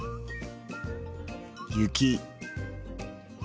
雪。